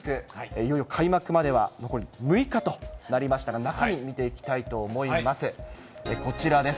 いよいよ開幕までは残り６日となりましたが、中身を見ていきたいと思います。